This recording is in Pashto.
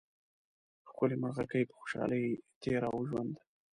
ښکلې مرغکۍ په خوشحالۍ تېراوه ژوند